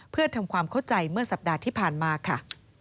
เพื่อทำความเข้าใจเมื่อสัปดาห์ที่ผ่านมาค่ะ